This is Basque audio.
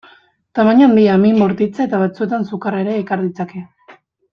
Tamaina handia, min bortitza eta batzuetan sukarra ere ekar ditzake.